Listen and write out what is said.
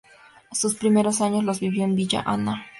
Sus primeros años los vivió en Villa Ana.